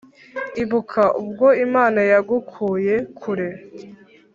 ibuka ubwo imana yagukuye kure